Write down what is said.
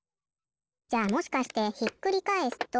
じゃあもしかしてひっくりかえすと。